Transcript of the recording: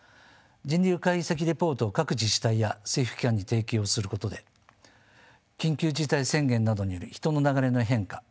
人流解析レポートを各自治体や政府機関に提供することで緊急事態宣言などによる人の流れの変化